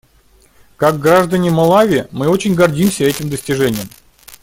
Как граждане Малави мы очень гордимся этим достижением.